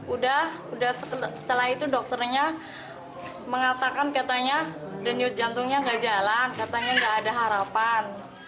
udah setelah itu dokternya mengatakan katanya denyut jantungnya gak jalan katanya gak ada harapan